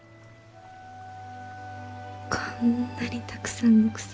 こんなにたくさんの草花。